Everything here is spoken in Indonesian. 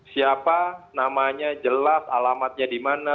siapa namanya jelas alamatnya dimana